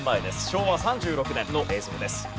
昭和３６年の映像です。